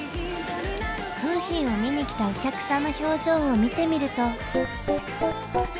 楓浜を見に来たお客さんの表情を見てみると。